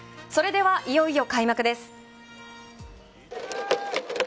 それではいよいよ開幕です。